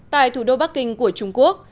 tại thủ đô bắc kinh của trung quốc